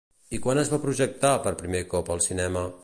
I quan es va projectar per primer cop al cinema?